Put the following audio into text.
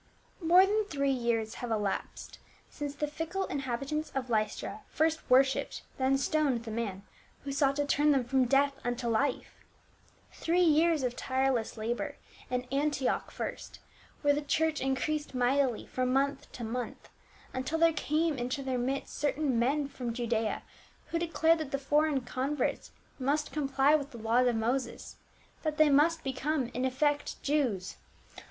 MORE than three years have elapsed since the fickle inhabitants of Lystra first worshiped, then stoned the man who sought to turn them fi om death unto life. Three years of tireless labor, in Antioch first, where the church increased mightily from month to month, until there came into their midst certain men from Judaea who declared that the foreign converts must comply with the laws of Moses ; that they must become, in effect, Jews.